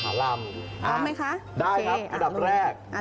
พร้อมไหมคะโอเคครับอันดับแรกได้ครับ